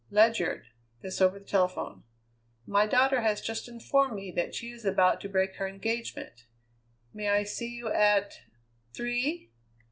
"Ledyard" this over the telephone "my daughter has just informed me that she is about to break her engagement. May I see you at three?"